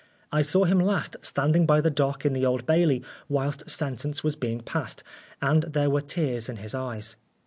I saw him last standing by the dock in the Old Bailey whilst sentence was being passed, and there were tears in his eyes.